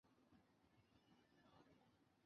其固体多以二水合物形式存在。